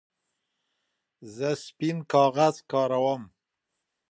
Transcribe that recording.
زه سپین کاغذ کاروم.